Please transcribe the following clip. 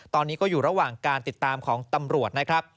ตอนนี้ก็อยู่ระหว่างการติดตามของตำรวจนะครับ